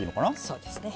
そうですね。